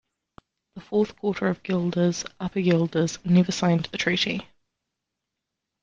The fourth quarter of Guelders, Upper Guelders, never signed the treaty.